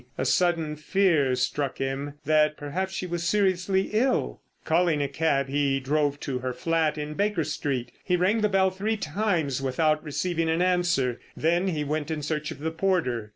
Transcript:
A sudden fear struck him that perhaps she was seriously ill. Calling a cab he drove to her flat in Baker Street. He rang the bell three times without receiving an answer, then he went in search of the porter.